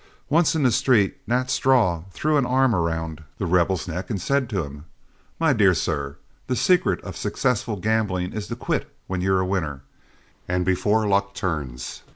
Once in the street, Nat Straw threw an arm around The Rebel's neck and said to him, "My dear sir, the secret of successful gambling is to quit when you're winner, and before luck turns.